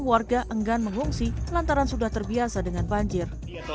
warga enggan mengungsi lantaran sudah terbiasa dengan banjir